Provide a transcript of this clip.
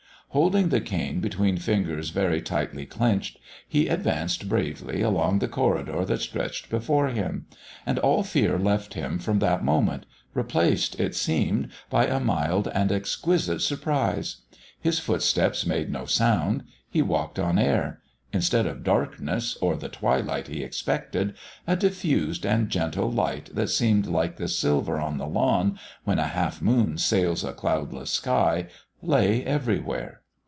Holding the cane between fingers very tightly clenched, he advanced bravely along the corridor that stretched before him. And all fear left him from that moment, replaced, it seemed, by a mild and exquisite surprise. His footsteps made no sound, he walked on air; instead of darkness, or the twilight he expected, a diffused and gentle light that seemed like the silver on the lawn when a half moon sails a cloudless sky, lay everywhere.